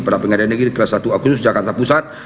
pada pengadilan negeri kelas satu agustus jakarta pusat